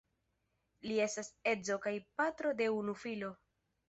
Li estas edzo kaj patro de unu filo.